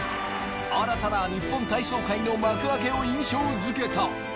新たな日本体操界の幕開けを印象付けた。